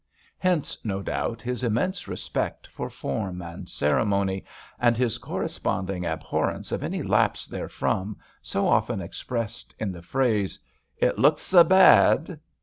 Hence, no doubt, his immense respect for form and ceremony and his corresponding abhorrence of any lapse therefrom so often expressed in the phrase: " It looks se bad."